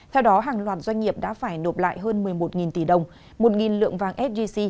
theo đó hàng loạt doanh nghiệp đã phải nộp lại hơn một mươi một tỷ đồng một lượng vàng sgc